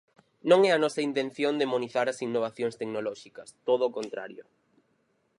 Non é a nosa intención demonizar as innovacións tecnolóxicas, todo o contrario.